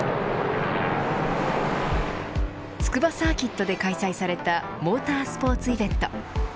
筑波サーキットで開催されたモータースポーツイベント。